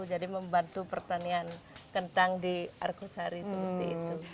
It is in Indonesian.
jadi membantu pertanian kentang di arkusari seperti itu